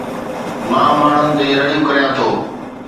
مان ماڻهن تي رڙيون ڪريان ٿو